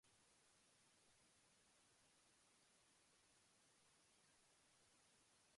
Water pollution is another environmental factor that has adverse effects on gorenje rubbers.